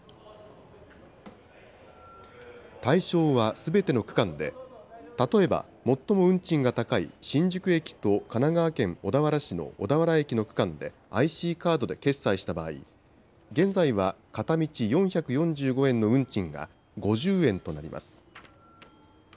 対象はすべての区間で、例えば最も運賃が高い新宿駅と神奈川県小田原市の小田原駅の区間でＩＣカードで決済した場合、現在は片道４４５円の運賃が５０円となります。